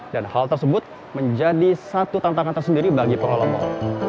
dan hal tersebut menjadi satu tantangan tersendiri bagi pengolah mal